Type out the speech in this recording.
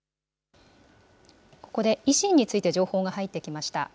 ここで、維新について情報が入ってきました。